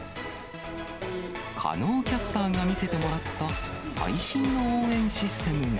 狩野キャスターが見せてもらった、最新の応援システムが。